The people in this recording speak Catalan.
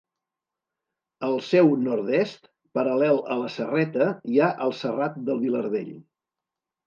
Al seu nord-est, paral·lel a la Serreta hi ha el Serrat del Vilardell.